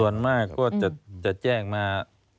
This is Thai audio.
ส่วนมากก็จะแจ้งมา